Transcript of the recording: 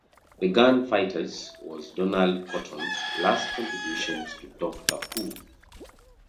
"The Gunfighters" was Donald Cotton's last contribution to "Doctor Who".